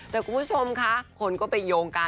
แต่คุณผู้ชมค่ะคนก็ไปโยงกัน